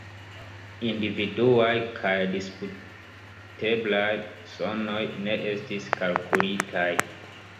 Individuaj kaj disputeblaj sonoj ne estis kalkulitaj.